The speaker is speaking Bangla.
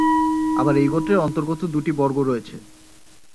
আবার এই গোত্রের অন্তর্গত দুটি বর্গ রয়েছে।